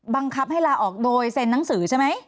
บังคับให้ลาออกโดยเซ็นหนังสือใช่ไหม